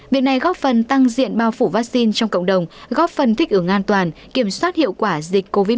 việc này góp phần tăng diện bao phủ vaccine trong cộng đồng góp phần thích ứng an toàn kiểm soát hiệu quả dịch covid một mươi chín